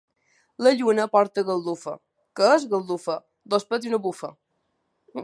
La lluna porta galdufa. —Què és galdufa? —Dos pets i una bufa.